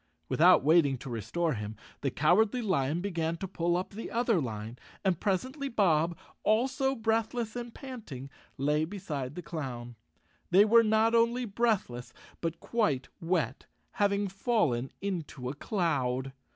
Without waiting to restore him, the Cowardly Lion began to pull up the other line, and pres¬ ently Bob, also breathless and panting, lay beside the clown. They were not only breathless, but quite wet— having fallen into a cloud.